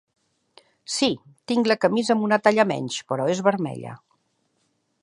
Sí, tinc la camisa amb una talla menys, però és vermella.